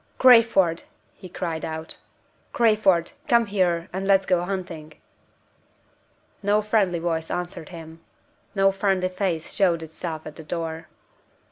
"Crayford!" he cried out. "Crayford! come here, and let's go hunting." No friendly voice answered him. No friendly face showed itself at the door.